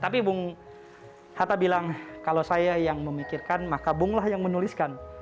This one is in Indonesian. tapi bung hatta bilang kalau saya yang memikirkan maka bung lah yang menuliskan